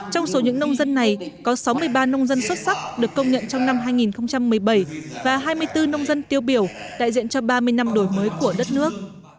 trong số những nông dân này có sáu mươi ba nông dân xuất sắc được công nhận trong năm hai nghìn một mươi bảy và hai mươi bốn nông dân tiêu biểu đại diện cho ba mươi năm đổi mới của đất nước